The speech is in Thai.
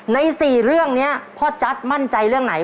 ใน๔เรื่องนี้พ่อจั๊ดมั่นใจเรื่องไหน